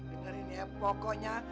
dengar ini ya pokoknya